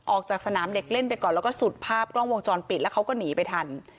ออกจากสนามเด็กเล่นไปก่อนแล้วก็สุดภาพกล้องวงจรปิดแล้วเขาก็หนีไปทัน